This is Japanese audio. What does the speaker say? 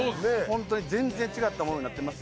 本当に全然違ったものになってます。